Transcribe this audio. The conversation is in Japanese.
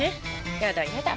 やだやだ。